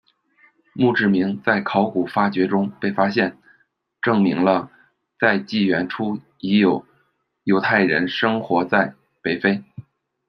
墓志铭在考古发掘中被发现，证明了在纪元初已有犹太人生活在北非。